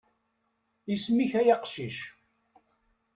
Isem-ik ay aqcic.